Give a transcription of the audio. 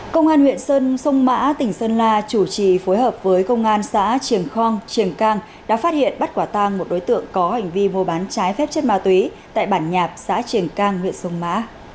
công an huyện sơn sông mã tỉnh sơn la chủ trì phối hợp với công an xã triềng khong triềng cang đã phát hiện bắt quả tang một đối tượng có hành vi mua bán trái phép chất ma túy tại bản nhạc xã triển cang huyện sông mã